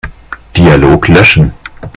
Dialog löschen.